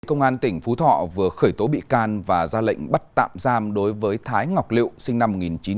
công an tỉnh phú thọ vừa khởi tố bị can và ra lệnh bắt tạm giam đối với thái ngọc liệu sinh năm một nghìn chín trăm tám mươi